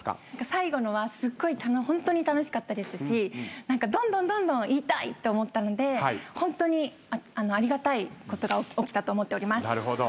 最後のはすっごいホントに楽しかったですしどんどんどんどん言いたい！って思ったのでホントにありがたいことが起きたと思っております。